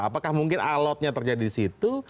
apakah mungkin alotnya terjadi di situ